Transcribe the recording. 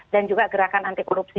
dan juga gerakan anti korupsi di indonesia